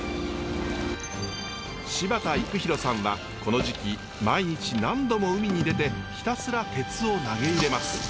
芝田育広さんはこの時期毎日何度も海に出てひたすら鉄を投げ入れます。